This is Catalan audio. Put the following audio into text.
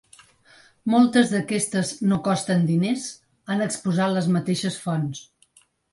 Moltes d’aquestes ‘no costen diners’, han exposat les mateixes fonts.